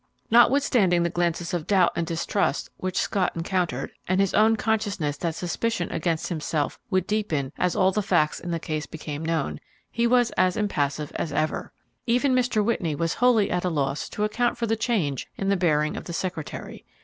Notwithstanding the glances of doubt and distrust which Scott encountered, and his own consciousness that suspicion against himself would deepen as all the facts in the case became known, he was as impassive as ever. Even Mr. Whitney was wholly at a loss to account for the change in the bearing of the secretary.